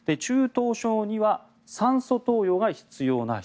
中等症２は酸素投与が必要な人